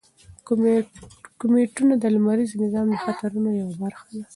کومیټونه د لمریز نظام د خطرونو یوه برخه ده.